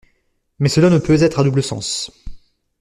Mais cela ne peut être à double sens.